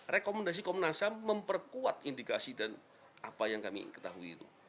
rekomendasi komnas memperkuat indikasi dan apa yang kami ketahui